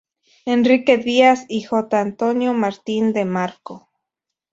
Enrique Díaz y J. Antonio Martín de Marco.